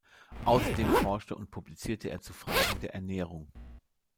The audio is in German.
Außerdem forschte und publizierte er zu Fragen der Ernährung.